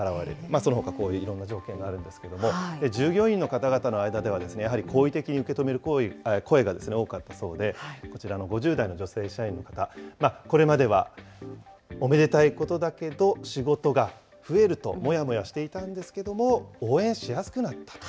そのほかこういういろんな条件があるんですけれども、従業員の方々の間では、やはり好意的に受け止める声が多かったそうで、こちらの５０代の女性社員の方、これまではおめでたいことだけど、仕事が増えると、もやもやしていたんですけれども、応援しやすくなったと。